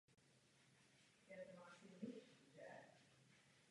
Státy se snaží o ekonomicky výhodné a stabilní využití vlastních zdrojů.